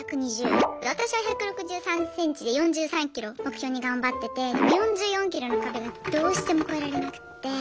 私は１６３ｃｍで４３ｋｇ目標に頑張っててでも４４ｋｇの壁がどうしても越えられなくって。